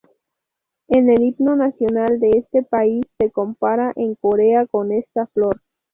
En el himno nacional de este país se compara a Corea con esta flor.